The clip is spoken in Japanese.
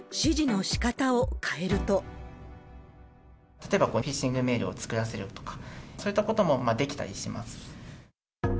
だが、例えば、このフィッシングメールを作らせるとか、そういったこともできたりします。